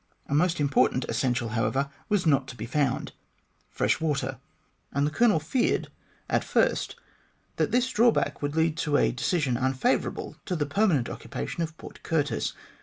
A most important essential, however, was not to be found fresh water and the Colonel feared at first that this drawback would lead to a decision unfavourable to the permanent occupation of Port Curtis.